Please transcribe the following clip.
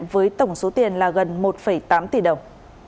với tổng số tiền là gần một tám tỷ đồng